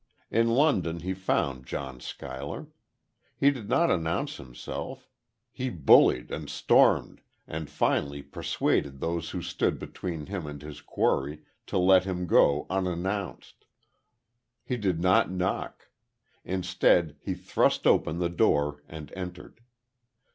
In London he found John Schuyler. He did not announce himself; he bullied and stormed and finally persuaded those who stood between him and his quarry, to let him go unannounced. He did not knock. Instead he thrust open the door and entered.